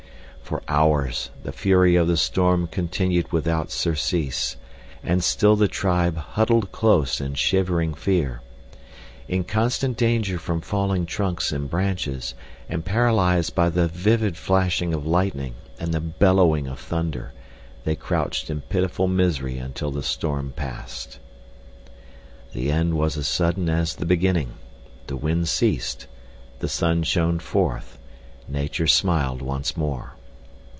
For hours the fury of the storm continued without surcease, and still the tribe huddled close in shivering fear. In constant danger from falling trunks and branches and paralyzed by the vivid flashing of lightning and the bellowing of thunder they crouched in pitiful misery until the storm passed. The end was as sudden as the beginning. The wind ceased, the sun shone forth—nature smiled once more.